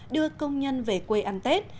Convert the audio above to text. đưa công nhân về quê ăn tết